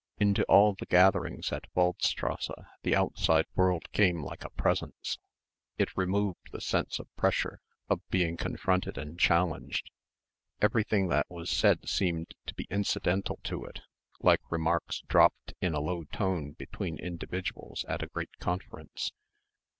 Into all the gatherings at Waldstrasse the outside world came like a presence. It removed the sense of pressure, of being confronted and challenged. Everything that was said seemed to be incidental to it, like remarks dropped in a low tone between individuals at a great conference.